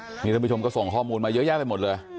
นี่ท่านผู้ชมก็ส่งข้อมูลมาเยอะแยะไปหมดเลย